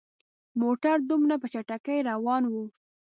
موټر دومره په چټکۍ روان وو.